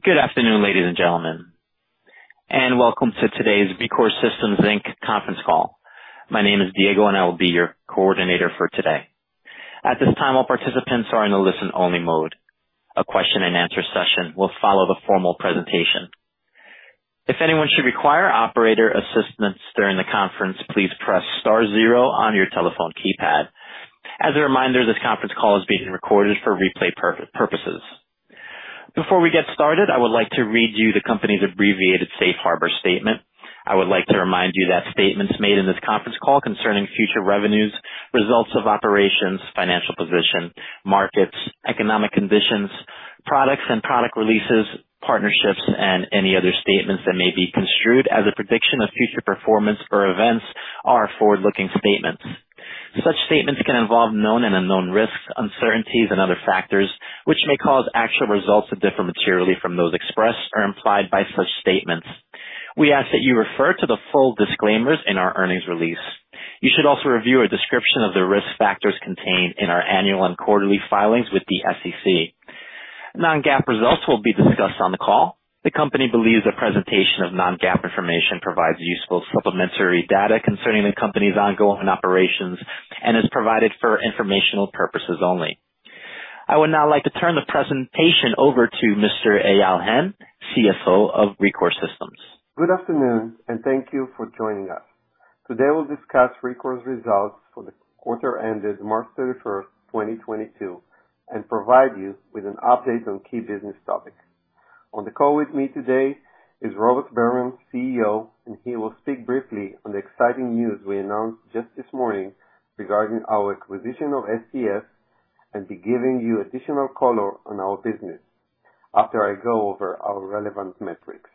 Good afternoon, ladies and gentlemen, and welcome to today's Rekor Systems, Inc conference call. My name is Diego, and I will be your coordinator for today. At this time, all participants are in a listen-only mode. A question-and-answer session will follow the formal presentation. If anyone should require operator assistance during the conference, please press star zero on your telephone keypad. As a reminder, this conference call is being recorded for replay purposes. Before we get started, I would like to read you the company's abbreviated safe harbor statement. I would like to remind you that statements made in this conference call concerning future revenues, results of operations, financial position, markets, economic conditions, products and product releases, partnerships, and any other statements that may be construed as a prediction of future performance or events are forward-looking statements. Such statements can involve known and unknown risks, uncertainties, and other factors which may cause actual results to differ materially from those expressed or implied by such statements. We ask that you refer to the full disclaimers in our earnings release. You should also review a description of the risk factors contained in our annual and quarterly filings with the SEC. Non-GAAP results will be discussed on the call. The company believes the presentation of non-GAAP information provides useful supplementary data concerning the company's ongoing operations and is provided for informational purposes only. I would now like to turn the presentation over to Mr. Eyal Hen, CFO of Rekor Systems. Good afternoon, and thank you for joining us. Today, we'll discuss Rekor's results for the quarter ended March 31st, 2022, and provide you with an update on key business topics. On the call with me today is Robert Berman, CEO, and he will speak briefly on the exciting news we announced just this morning regarding our acquisition of STS, and be giving you additional color on our business after I go over our relevant metrics.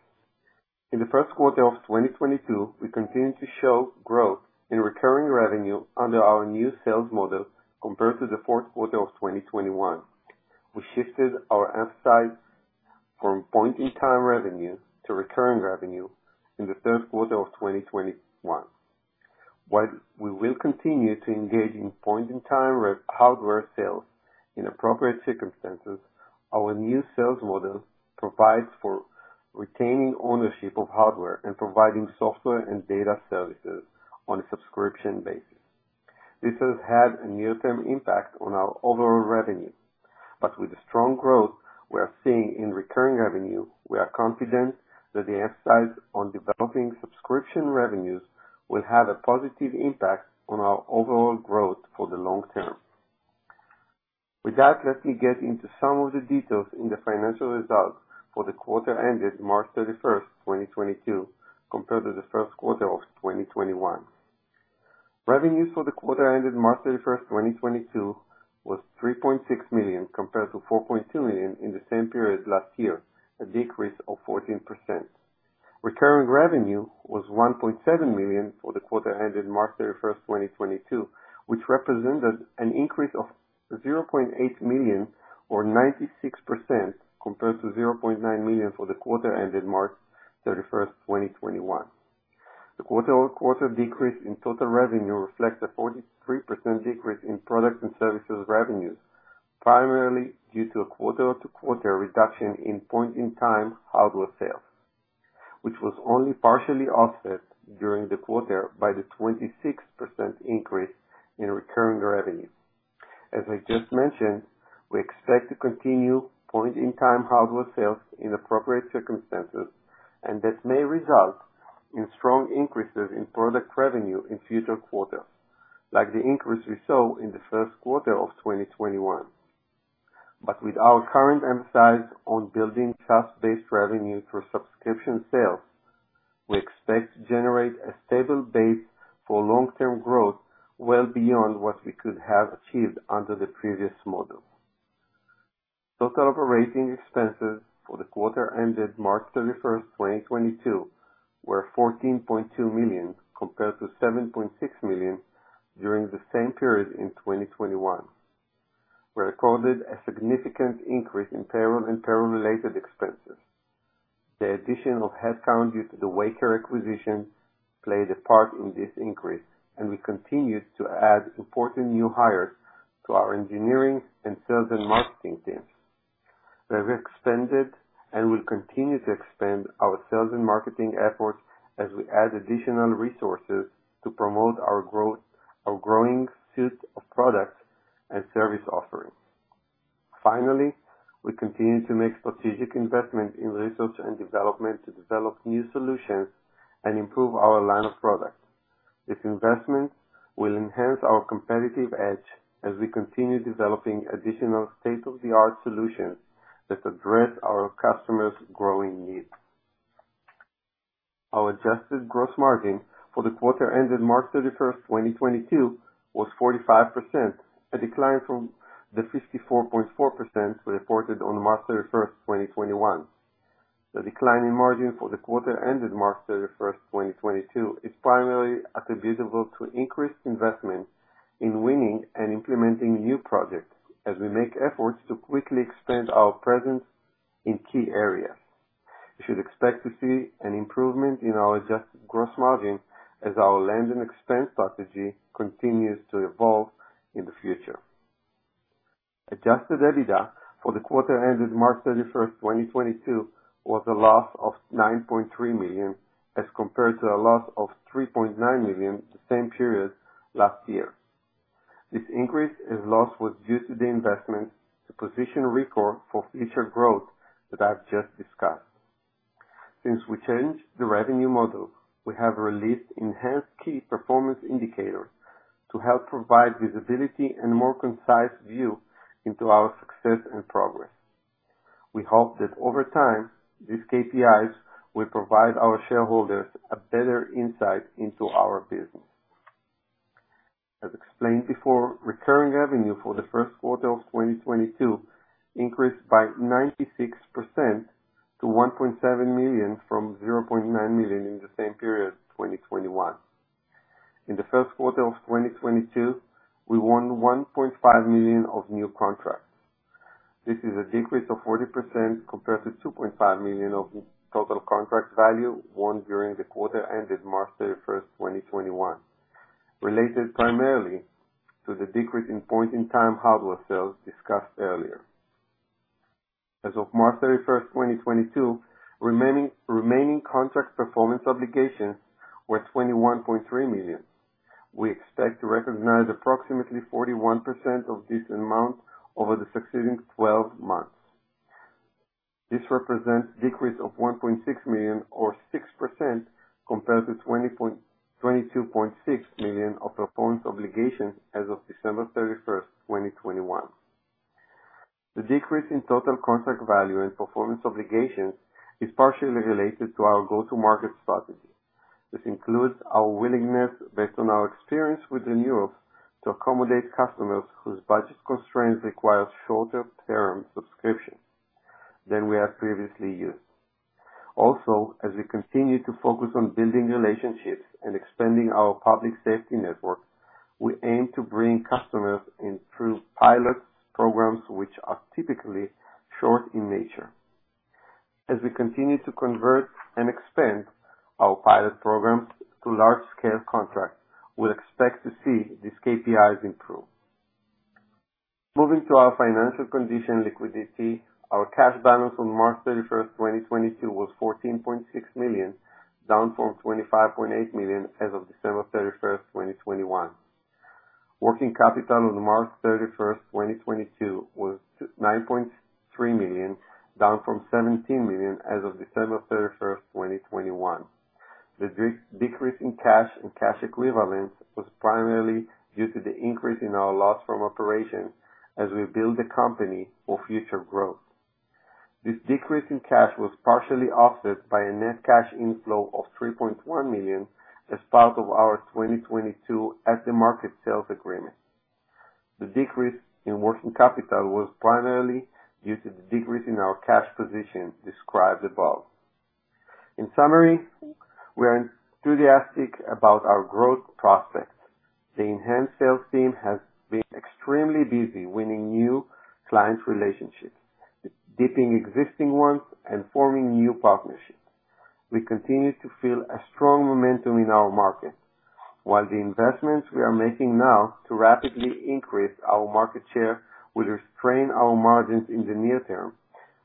In the first quarter of 2022, we continued to show growth in recurring revenue under our new sales model compared to the fourth quarter of 2021. We shifted our emphasis from point-in-time revenue to recurring revenue in the third quarter of 2021. While we will continue to engage in point-in-time hardware sales in appropriate circumstances, our new sales model provides for retaining ownership of hardware and providing software and data services on a subscription basis. This has had a near-term impact on our overall revenue, but with the strong growth we are seeing in recurring revenue, we are confident that the emphasis on developing subscription revenues will have a positive impact on our overall growth for the long term. With that, let me get into some of the details in the financial results for the quarter ended March 31st, 2022, compared to the first quarter of 2021. Revenues for the quarter ended March 31st, 2022, was $3.6 million compared to $4.2 million in the same period last year, a decrease of 14%. Recurring revenue was $1.7 million for the quarter ended March 31st, 2022, which represented an increase of $0.8 million or 96% compared to $0.9 million for the quarter ended March 31st, 2021. The quarter-over-quarter decrease in total revenue reflects a 43% decrease in products and services revenues, primarily due to a quarter-to-quarter reduction in point-in-time hardware sales, which was only partially offset during the quarter by the 26% increase in recurring revenue. We expect to continue point-in-time hardware sales in appropriate circumstances, and this may result in strong increases in product revenue in future quarters, like the increase we saw in the first quarter of 2021. With our current emphasis on building trust-based revenue through subscription sales, we expect to generate a stable base for long-term growth well beyond what we could have achieved under the previous model. Total operating expenses for the quarter ended March 31st, 2022, were $14.2 million compared to $7.6 million during the same period in 2021. We recorded a significant increase in payroll and payroll-related expenses. The addition of headcount due to the Waycare acquisition played a part in this increase, and we continued to add important new hires to our engineering and sales and marketing teams. We have expanded and will continue to expand our sales and marketing efforts as we add additional resources to promote our growth, our growing suite of products and service offerings. Finally, we continue to make strategic investments in research and development to develop new solutions and improve our line of products. This investment will enhance our competitive edge as we continue developing additional state-of-the-art solutions that address our customers' growing needs. Our adjusted gross margin for the quarter ended March 31st, 2022, was 45%, a decline from the 54.4% we reported on March 31st, 2021. The decline in margin for the quarter ended March 31st, 2022, is primarily attributable to increased investment in winning and implementing new projects as we make efforts to quickly expand our presence in key areas. You should expect to see an improvement in our adjusted gross margin as our land-and-expand strategy continues to evolve in the future. Adjusted EBITDA for the quarter ended March 31st, 2022 was a loss of $9.3 million, as compared to a loss of $3.9 million the same period last year. This increase in loss was due to the investment to position Rekor for future growth that I've just discussed. Since we changed the revenue model, we have released enhanced key performance indicators to help provide visibility and more concise view into our success and progress. We hope that over time, these KPIs will provide our shareholders a better insight into our business. As explained before, recurring revenue for the first quarter of 2022 increased by 96% to $1.7 million, from $0.9 million in the same period, 2021. In the first quarter of 2022, we won $1.5 million of new contracts. This is a decrease of 40% compared to $2.5 million of total contract value won during the quarter ended March 31st, 2021, related primarily to the decrease in point-in-time hardware sales discussed earlier. As of March 31st, 2022, remaining contract performance obligations were $21.3 million. We expect to recognize approximately 41% of this amount over the succeeding 12 months. This represents decrease of $1.6 million or 6% compared to $22.6 million of performance obligations as of December 31st, 2021. The decrease in total contract value and performance obligations is partially related to our go-to-market strategy. This includes our willingness, based on our experience within Europe, to accommodate customers whose budget constraints require shorter term subscriptions than we have previously used. Also, as we continue to focus on building relationships and expanding our public safety network, we aim to bring customers in through pilot programs, which are typically short in nature. As we continue to convert and expand our pilot programs to large-scale contracts, we'll expect to see these KPIs improve. Moving to our financial condition liquidity, our cash balance on March 31st, 2022 was $14.6 million, down from $25.8 million as of December 31st, 2021. Working capital on March 31st, 2022 was $9.3 million, down from $17 million as of December 31st, 2021. The decrease in cash and cash equivalents was primarily due to the increase in our loss from operations as we build the company for future growth. This decrease in cash was partially offset by a net cash inflow of $3.1 million as part of our 2022 at-the-market sales agreement. The decrease in working capital was primarily due to the decrease in our cash position described above. In summary, we are enthusiastic about our growth prospects. The enhanced sales team has been extremely busy winning new client relationships, deepening existing ones, and forming new partnerships. We continue to feel a strong momentum in our market. While the investments we are making now to rapidly increase our market share will restrain our margins in the near term,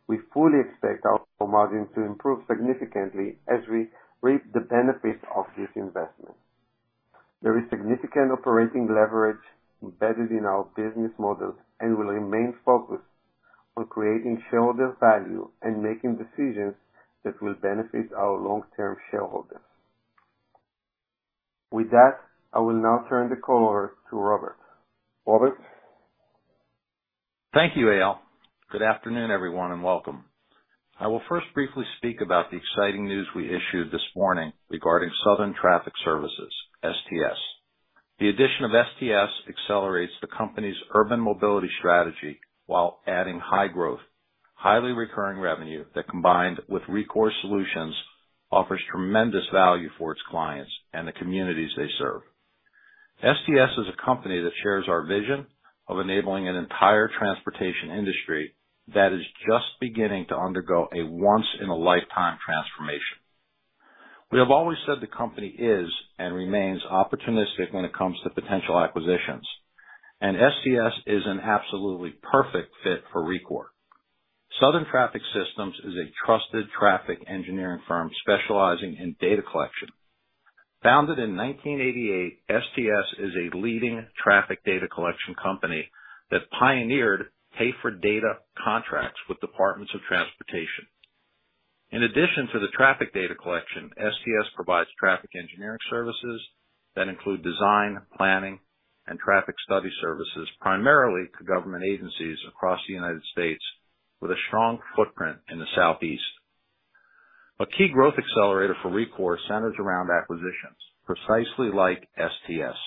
we fully expect our margins to improve significantly as we reap the benefits of this investment. There is significant operating leverage embedded in our business model and we will remain focused on creating shareholder value and making decisions that will benefit our long-term shareholders. With that, I will now turn the call over to Robert. Robert? Thank you, Eyal. Good afternoon, everyone, and welcome. I will first briefly speak about the exciting news we issued this morning regarding Southern Traffic Services, STS. The addition of STS accelerates the company's urban mobility strategy while adding high growth, highly recurring revenue that, combined with Rekor's solutions, offers tremendous value for its clients and the communities they serve. STS is a company that shares our vision of enabling an entire transportation industry that is just beginning to undergo a once-in-a-lifetime transformation. We have always said the company is and remains opportunistic when it comes to potential acquisitions, and STS is an absolutely perfect fit for Rekor. Southern Traffic Services is a trusted traffic engineering firm specializing in data collection. Founded in 1988, STS is a leading traffic data collection company that pioneered pay-for-data contracts with departments of transportation. In addition to the traffic data collection, STS provides traffic engineering services that include design, planning, and traffic study services primarily to government agencies across the United States with a strong footprint in the Southeast. A key growth accelerator for Rekor centers around acquisitions precisely like STS.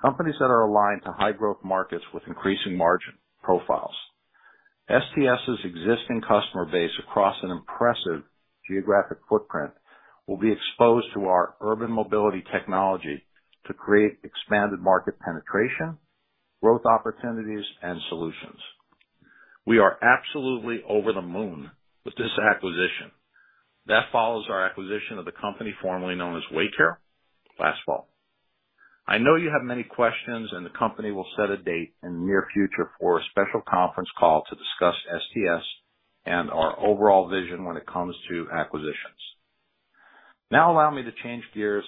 Companies that are aligned to high growth markets with increasing margin profiles. STS's existing customer base across an impressive geographic footprint will be exposed to our urban mobility technology to create expanded market penetration. Growth opportunities and solutions. We are absolutely over the moon with this acquisition. That follows our acquisition of the company formerly known as Waycare last fall. I know you have many questions, and the company will set a date in the near future for a special conference call to discuss STS and our overall vision when it comes to acquisitions. Now allow me to change gears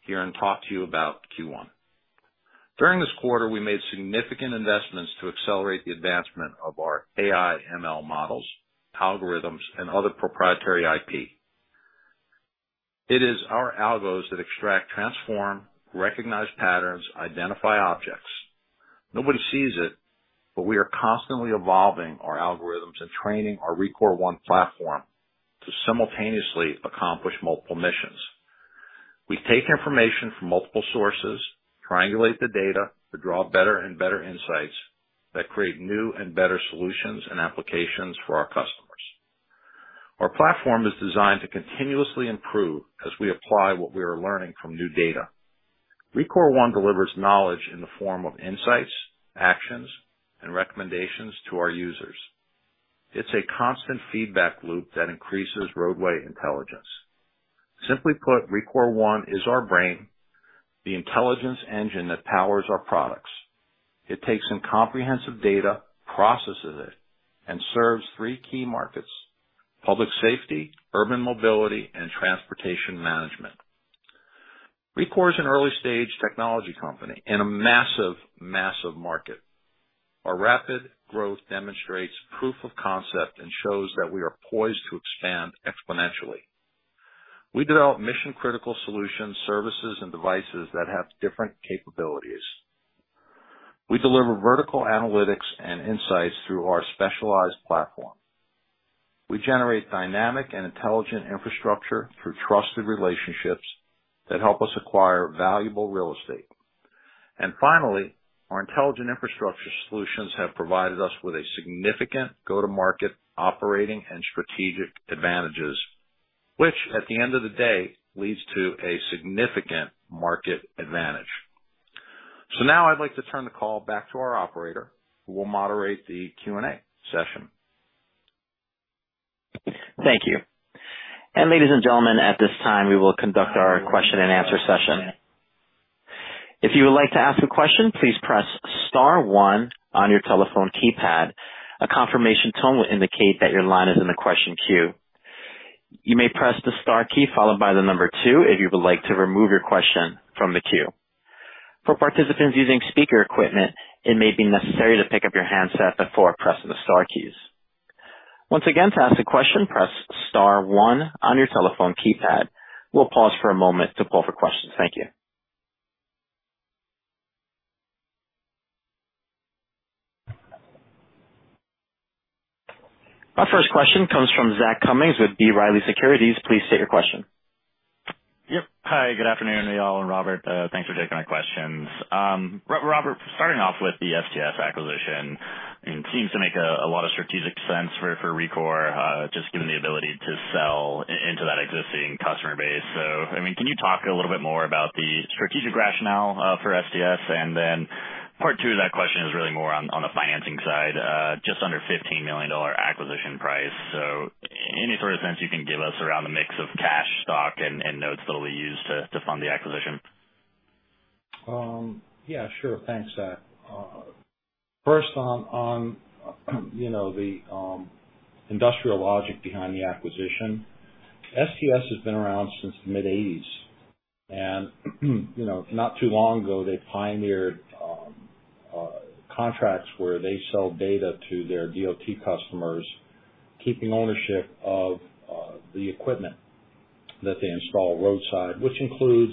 here and talk to you about Q1. During this quarter, we made significant investments to accelerate the advancement of our AI ML models, algorithms, and other proprietary IP. It is our algos that extract, transform, recognize patterns, identify objects. Nobody sees it, but we are constantly evolving our algorithms and training our Rekor One platform to simultaneously accomplish multiple missions. We take information from multiple sources, triangulate the data to draw better and better insights that create new and better solutions and applications for our customers. Our platform is designed to continuously improve as we apply what we are learning from new data. Rekor One delivers knowledge in the form of insights, actions, and recommendations to our users. It's a constant feedback loop that increases roadway intelligence. Simply put, Rekor One is our brain, the intelligence engine that powers our products. It takes in comprehensive data, processes it, and serves three key markets, public safety, urban mobility, and transportation management. Rekor is an early stage technology company in a massive market. Our rapid growth demonstrates proof of concept and shows that we are poised to expand exponentially. We develop mission critical solutions, services, and devices that have different capabilities. We deliver vertical analytics and insights through our specialized platform. We generate dynamic and intelligent infrastructure through trusted relationships that help us acquire valuable real estate. Finally, our intelligent infrastructure solutions have provided us with a significant go-to-market operating and strategic advantages, which at the end of the day leads to a significant market advantage. Now I'd like to turn the call back to our operator who will moderate the Q&A session. Thank you. Ladies and gentlemen, at this time we will conduct our question-and-answer session. If you would like to ask a question, please press star one on your telephone keypad. A confirmation tone will indicate that your line is in the question queue. You may press the star key followed by the number two if you would like to remove your question from the queue. For participants using speaker equipment, it may be necessary to pick up your handset before pressing the star keys. Once again, to ask a question, press star one on your telephone keypad. We'll pause for a moment to pull for questions. Thank you. Our first question comes from Zach Cummins with B. Riley Securities. Please state your question. Yep. Hi, good afternoon to y'all. Robert, thanks for taking our questions. Robert, starting off with the STS acquisition, it seems to make a lot of strategic sense for Rekor, just given the ability to sell into that existing customer base. I mean, can you talk a little bit more about the strategic rationale for STS? Then part two of that question is really more on the financing side. Just under $15 million acquisition price. Any sort of sense you can give us around the mix of cash, stock and notes that'll be used to fund the acquisition? Yeah, sure. Thanks, Zach. First on you know the industrial logic behind the acquisition. STS has been around since the mid-1980s and, you know, not too long ago, they pioneered contracts where they sell data to their DOT customers, keeping ownership of the equipment that they install roadside. Which includes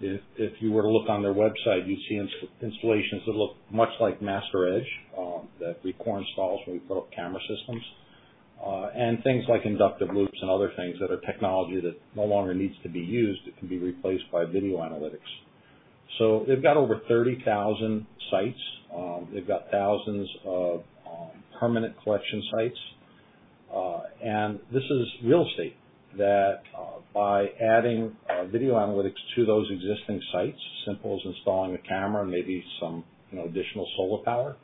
if you were to look on their website, you'd see installations that look much like MasterEdge that Rekor installs when we put up camera systems and things like inductive loops and other things that are technology that no longer needs to be used. It can be replaced by video analytics. They've got over 30,000 sites. They've got thousands of permanent collection sites. This is real estate that, by adding video analytics to those existing sites, as simple as installing a camera and maybe some, you know, additional solar power,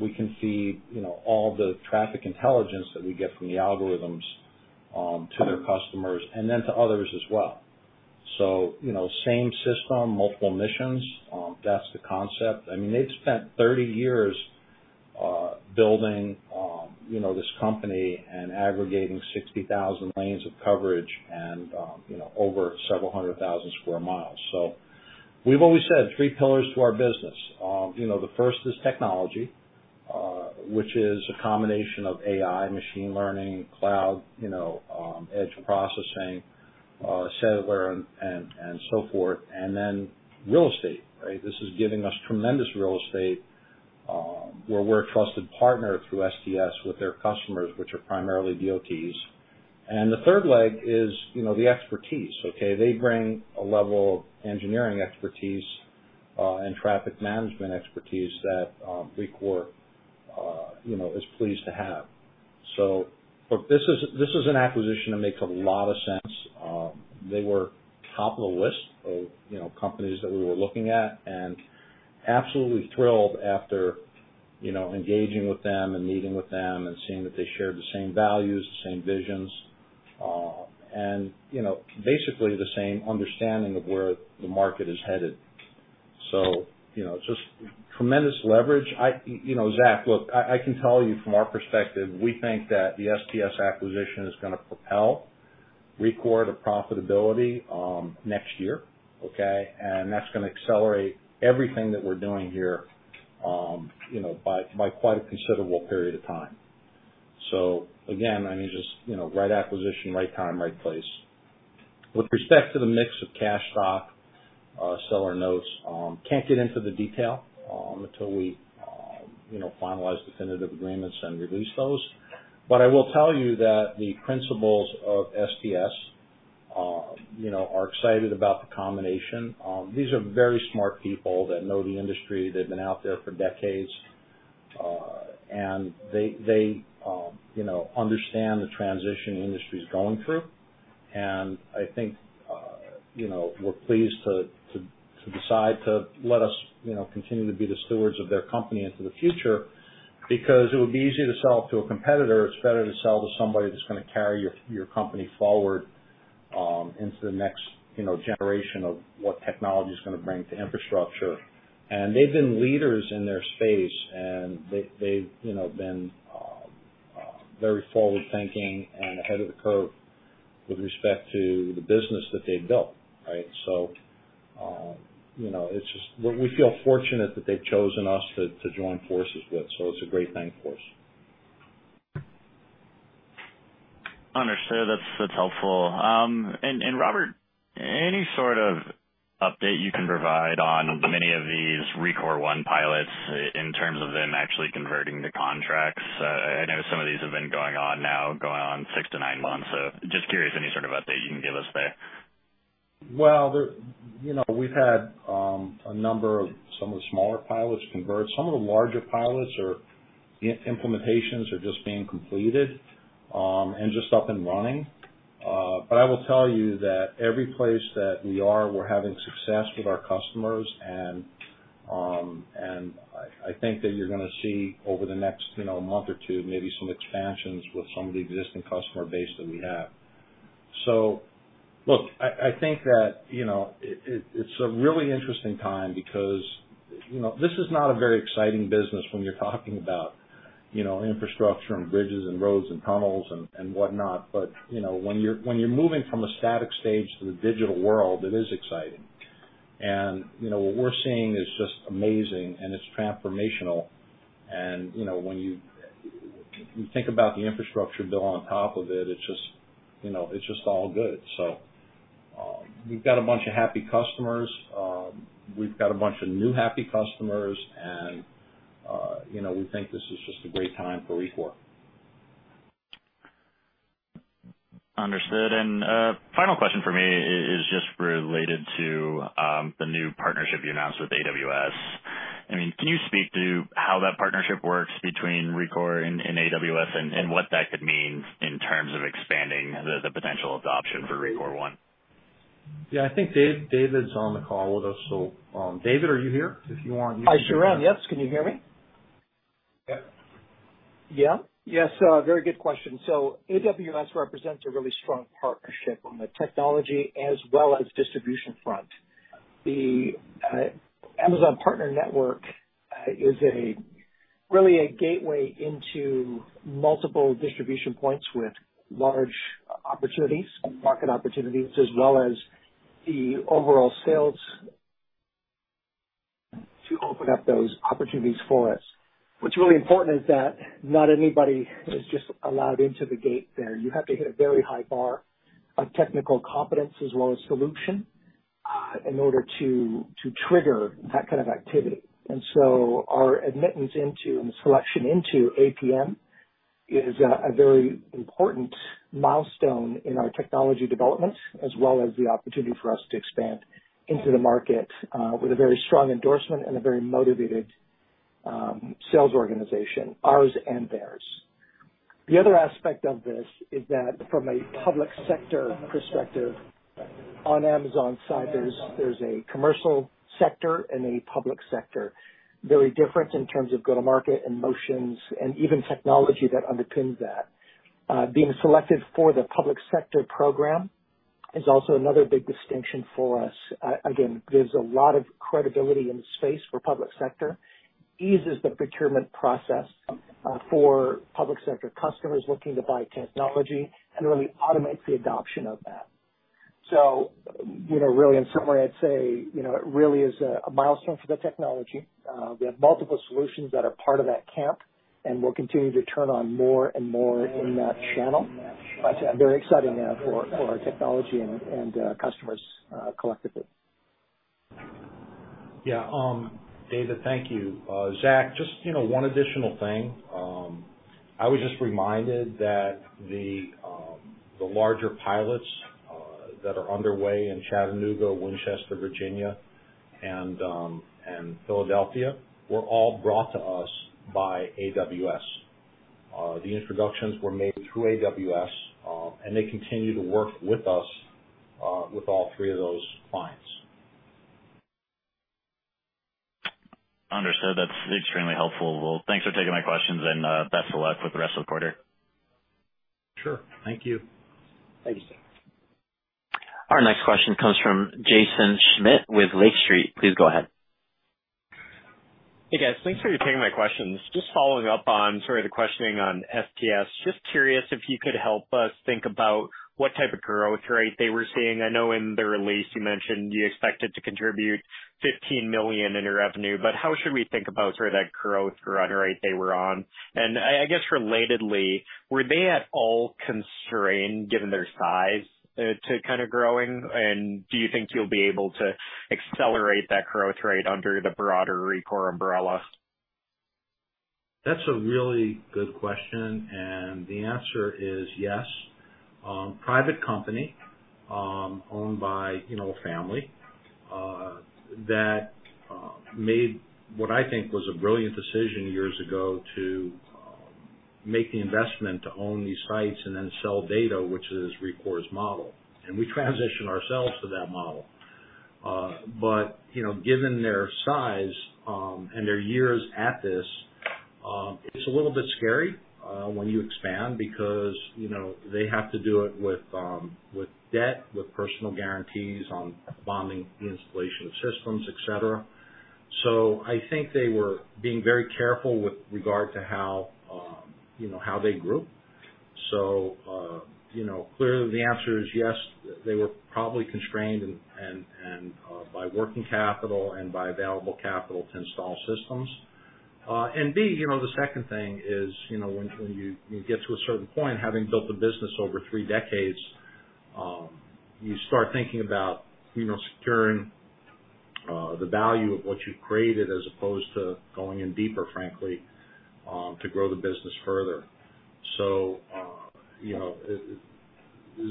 we can feed, you know, all the traffic intelligence that we get from the algorithms, to their customers and then to others as well. You know, same system, multiple missions. That's the concept. I mean, they've spent 30 years building, you know, this company and aggregating 60,000 lanes of coverage and, you know, over several hundred thousand square miles. We've always said three pillars to our business. You know, the first is technology, which is a combination of AI, machine learning, cloud, you know, edge processing, cellular and so forth. Real estate, right? This is giving us tremendous real estate, where we're a trusted partner through STS with their customers, which are primarily DOTs. The third leg is, you know, the expertise, okay? They bring a level of engineering expertise, and traffic management expertise that, Rekor, you know, is pleased to have. Look, this is an acquisition that makes a lot of sense. They were top of the list of, you know, companies that we were looking at, and absolutely thrilled after, you know, engaging with them and meeting with them and seeing that they shared the same values, the same visions, and, you know, basically the same understanding of where the market is headed. It's just tremendous leverage. You know, Zach, look, I can tell you from our perspective, we think that the STS acquisition is gonna propel Rekor to profitability next year, okay? That's gonna accelerate everything that we're doing here, you know, by quite a considerable period of time. Again, I mean, just, you know, right acquisition, right time, right place. With respect to the mix of cash, stock, seller notes, can't get into the detail until we, you know, finalize definitive agreements and release those. What I will tell you that the principals of STS, you know, are excited about the combination. These are very smart people that know the industry. They've been out there for decades. They, you know, understand the transition the industry's going through. I think, you know, we're pleased to decide to let us, you know, continue to be the stewards of their company into the future because it would be easy to sell to a competitor. It's better to sell to somebody that's gonna carry your company forward, into the next, you know, generation of what technology is gonna bring to infrastructure. They've been leaders in their space, and they've you know been very forward-thinking and ahead of the curve with respect to the business that they've built, right? You know, it's just we feel fortunate that they've chosen us to join forces with, so it's a great thing for us. Understood. That's helpful. Robert, any sort of update you can provide on many of these Rekor One pilots in terms of them actually converting to contracts? I know some of these have been going on six to nine months, so just curious any sort of update you can give us there. Well, you know, we've had a number of some of the smaller pilots convert. Some of the larger pilots or implementations are just being completed, and just up and running. I will tell you that every place that we are, we're having success with our customers, and I think that you're gonna see over the next, you know, month or two, maybe some expansions with some of the existing customer base that we have. Look, I think that, you know, it's a really interesting time because, you know, this is not a very exciting business when you're talking about, you know, infrastructure and bridges and roads and tunnels and whatnot. You know, when you're moving from a static stage to the digital world, it is exciting. You know, what we're seeing is just amazing, and it's transformational. You know, when you think about the infrastructure built on top of it's just, you know, it's just all good. We've got a bunch of happy customers. We've got a bunch of new happy customers, and you know, we think this is just a great time for Rekor. Understood. Final question for me is just related to the new partnership you announced with AWS. I mean, can you speak to how that partnership works between Rekor and AWS and what that could mean in terms of expanding the potential adoption for Rekor One? Yeah. I think David's on the call with us, so, David, are you here? If you want you can. I sure am. Yes. Can you hear me? Yep. Yeah. Yes, a very good question. AWS represents a really strong partnership on the technology as well as distribution front. The AWS Partner Network is really a gateway into multiple distribution points with large opportunities, market opportunities, as well as the overall sales to open up those opportunities for us. What's really important is that not anybody is just allowed into the gate there. You have to hit a very high bar of technical competence as well as solution in order to trigger that kind of activity. Our admittance into and selection into APN is a very important milestone in our technology development as well as the opportunity for us to expand into the market with a very strong endorsement and a very motivated sales organization, ours and theirs. The other aspect of this is that from a public sector perspective, on Amazon's side, there's a commercial sector and a public sector, very different in terms of go-to-market and motions and even technology that underpins that. Being selected for the public sector program is also another big distinction for us. Again, gives a lot of credibility in the space for public sector, eases the procurement process, for public sector customers looking to buy technology, and really automates the adoption of that. You know, really in summary, I'd say, you know, it really is a milestone for the technology. We have multiple solutions that are part of that camp, and we'll continue to turn on more and more in that channel. Very exciting for our technology and customers collectively. Yeah. David, thank you. Zach, just, you know, one additional thing. I was just reminded that the larger pilots that are underway in Chattanooga, Winchester, Virginia, and Philadelphia were all brought to us by AWS. The introductions were made through AWS, and they continue to work with us, with all three of those clients. Understood. That's extremely helpful. Well, thanks for taking my questions and, best of luck with the rest of the quarter. Sure. Thank you. Thank you, sir. Our next question comes from Jaeson Schmidt with Lake Street. Please go ahead. Hey, guys. Thanks for taking my questions. Just following up on sort of the questioning on STS. Just curious if you could help us think about what type of growth rate they were seeing. I know in the release you mentioned you expect it to contribute $15 million in your revenue, but how should we think about sort of that growth run rate they were on? And I guess relatedly, were they at all constrained, given their size, to kind of growing? And do you think you'll be able to accelerate that growth rate under the broader Rekor umbrella? That's a really good question, and the answer is yes. Private company, owned by, you know, a family, that made what I think was a brilliant decision years ago to make the investment to own these sites and then sell data, which is Rekor's model. We transitioned ourselves to that model. You know, given their size, and their years at this, it's a little bit scary, when you expand because, you know, they have to do it with debt, with personal guarantees on bonding, the installation of systems, et cetera. I think they were being very careful with regard to how, you know, how they grew. Clearly the answer is yes, they were probably constrained and by working capital and by available capital to install systems. B, you know, the second thing is, you know, when you get to a certain point, having built a business over three decades, you start thinking about, you know, securing the value of what you've created as opposed to going in deeper, frankly, to grow the business further.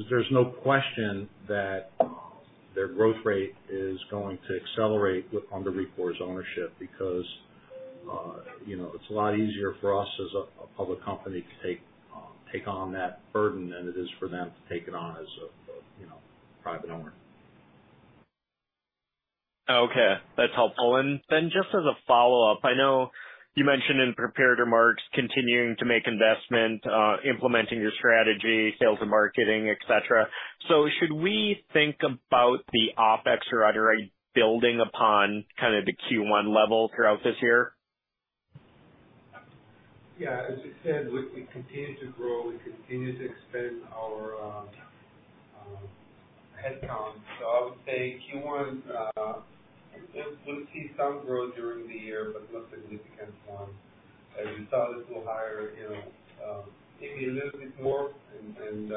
There's no question that their growth rate is going to accelerate under Rekor's ownership because, you know, it's a lot easier for us as a public company to take on that burden than it is for them to take it on as a private owner. Okay. That's helpful. Just as a follow-up, I know you mentioned in prepared remarks continuing to make investment, implementing your strategy, sales and marketing, et cetera. Should we think about the OpEx run rate building upon kind of the Q1 level throughout this year? Yeah. As we said, we continue to grow, we continue to expand our headcount. I would say Q1, we'll see some growth during the year, but nothing significant. As you saw, it's a little higher, you know, maybe a little bit more and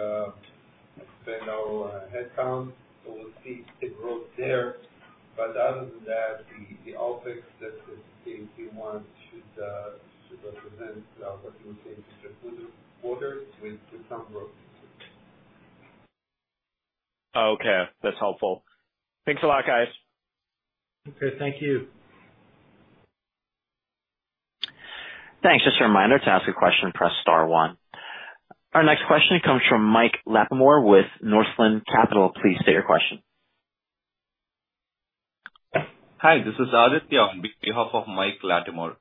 expand our headcount. We'll see it grow there. Other than that, the OpEx that you're seeing in Q1 should represent what you would see through the quarter with some growth. Okay. That's helpful. Thanks a lot, guys. Okay. Thank you. Thanks. Just a reminder to ask a question, press star one. Our next question comes from Mike Latimore with Northland Capital. Please state your question. Hi, this is Aditya on behalf of Mike Latimore.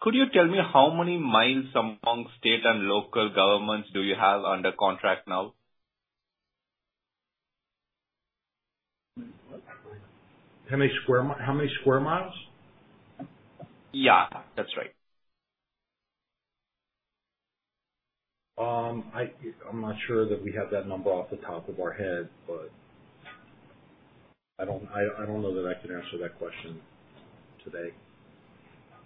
Could you tell me how many miles among state and local governments do you have under contract now? How many square miles? Yeah, that's right. I'm not sure that we have that number off the top of our head, but I don't know that I can answer that question today.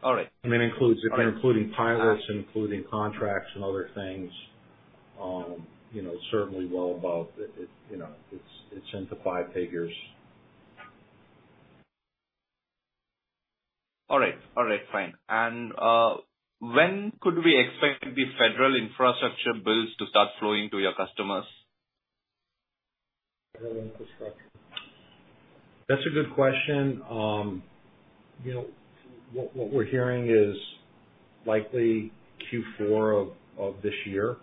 All right. I mean, if you're including pilots, including contracts and other things, you know, certainly well above. It, you know, it's into five figures. All right. All right, fine. When could we expect the federal infrastructure bills to start flowing to your customers? Federal infrastructure. That's a good question. You know, what we're hearing is likely Q4 of this year.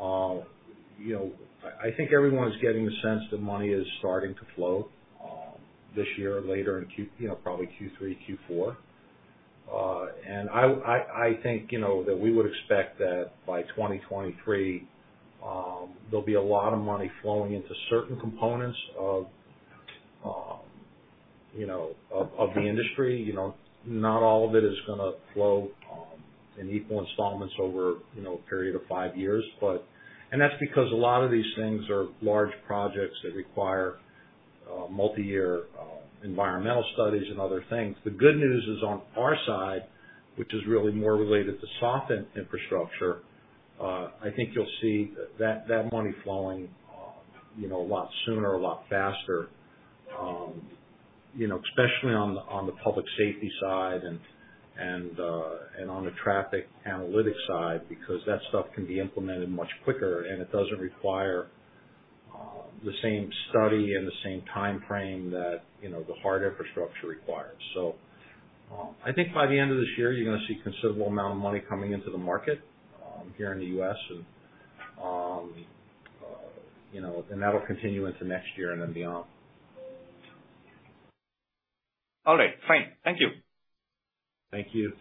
You know, I think everyone's getting the sense the money is starting to flow this year, later in Q, probably Q3, Q4. I think that we would expect that by 2023, there'll be a lot of money flowing into certain components of the industry. You know, not all of it is gonna flow in equal installments over a period of five years, but. That's because a lot of these things are large projects that require multi-year environmental studies and other things. The good news is on our side, which is really more related to soft infrastructure. I think you'll see that money flowing, you know, a lot sooner, a lot faster, you know, especially on the public safety side and on the traffic analytics side, because that stuff can be implemented much quicker and it doesn't require the same study and the same timeframe that, you know, the hard infrastructure requires. I think by the end of this year, you're gonna see a considerable amount of money coming into the market, here in the U.S. and, you know, and that'll continue into next year and then beyond. All right. Fine. Thank you. Thank you.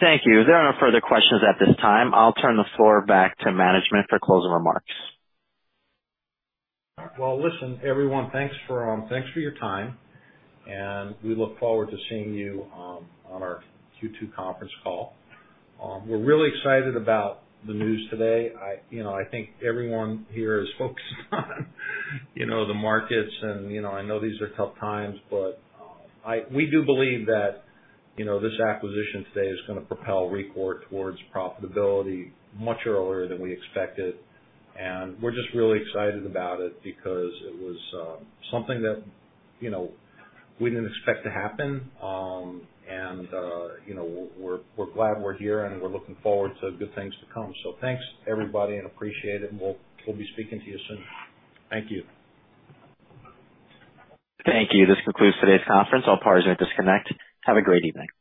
Thank you. There are no further questions at this time. I'll turn the floor back to management for closing remarks. Well, listen, everyone, thanks for your time, and we look forward to seeing you on our Q2 conference call. We're really excited about the news today. You know, I think everyone here is focused on the markets and I know these are tough times, but we do believe that you know, this acquisition today is gonna propel Rekor towards profitability much earlier than we expected. We're just really excited about it because it was something that you know, we didn't expect to happen. You know, we're glad we're here, and we're looking forward to good things to come. Thanks, everybody, and appreciate it. We'll be speaking to you soon. Thank you. Thank you. This concludes today's conference. All parties may disconnect. Have a great evening.